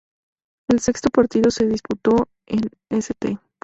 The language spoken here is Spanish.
El sexto partido se disputó en St.